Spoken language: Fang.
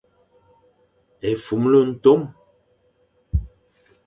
Efumle ntom ;